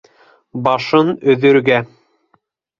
Башын өҙөргә!